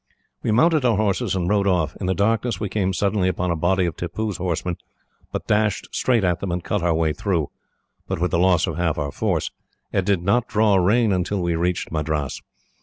"We mounted our horses and rode off. In the darkness, we came suddenly upon a body of Tippoo's horsemen, but dashed straight at them and cut our way through, but with the loss of half our force, and did not draw rein until we reached Madras.